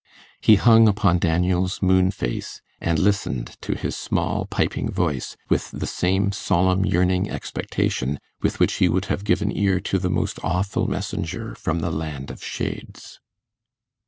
He hung upon Daniel's moon face, and listened to his small piping voice, with the same solemn yearning expectation with which he would have given ear to the most awful messenger from the land of shades.